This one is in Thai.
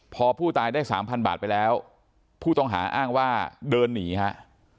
พอผู้ตายได้สามพันบาทไปแล้วผู้ต้องหาอ้างว่าเดินหนีฮะ